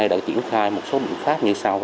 đã triển khai một số biện pháp như sau